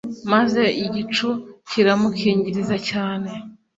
maze igicu kiramukingiriza cyane